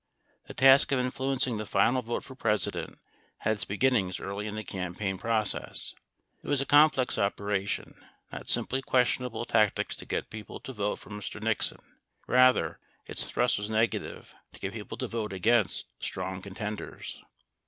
The task of influencing the final vote for President had its begin nings early in the campaign process. It was a complex operation, not simply questionable tactics to get people to vote for Mr. Nixon. Rather, its thrust was negative, to get people to vote against strong contenders.